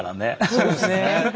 そうですね。